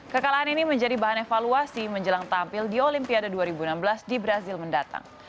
kekalahan ini menjadi bahan evaluasi menjelang tampil di olimpiade dua ribu enam belas di brazil mendatang